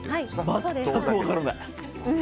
全く分からない。